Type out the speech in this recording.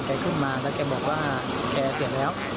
แกขึ้นมาแล้วแกบอกว่าเวรเสีย๒๐๐๒